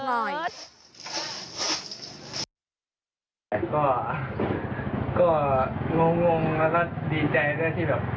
งงงงงแล้วดีใจได้ที่แบบ